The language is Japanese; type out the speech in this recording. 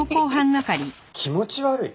気持ち悪い？